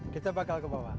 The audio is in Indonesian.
kita bakal ke bawah